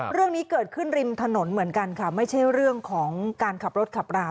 เรื่องนี้เกิดขึ้นริมถนนเหมือนกันค่ะไม่ใช่เรื่องของการขับรถขับรา